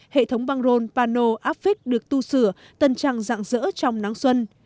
hệ thống băng rôn pano áp phích được tu sửa tân trăng dạng dỡ trong nắng xuân